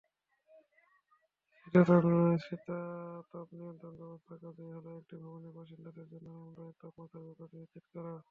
শীতাতপনিয়ন্ত্রণ-ব্যবস্থার কাজই হলো একটি ভবনের বাসিন্দাদের জন্য আরামদায়ক তাপমাত্রার ব্যাপারটি নিশ্চিত করা।